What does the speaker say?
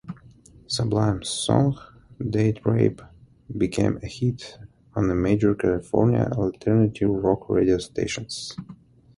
Sublime's song "Date Rape" became a hit on major California alternative rock radio stations.